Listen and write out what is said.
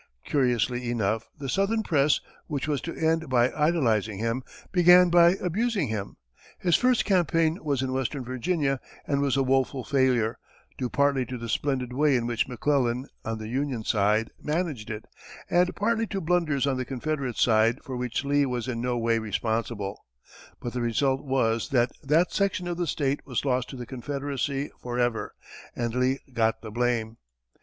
Curiously enough, the southern press, which was to end by idolizing him, began by abusing him. His first campaign was in western Virginia and was a woeful failure, due partly to the splendid way in which McClellan, on the Union side, managed it, and partly to blunders on the Confederate side for which Lee was in no way responsible; but the result was that that section of the state was lost to the Confederacy forever, and Lee got the blame.